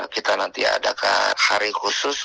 kita nanti adakan saring khusus